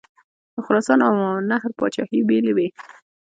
د خراسان او ماوراءالنهر پاچهي بېلې وې.